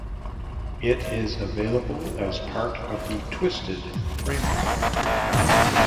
It is available as part of the Twisted framework.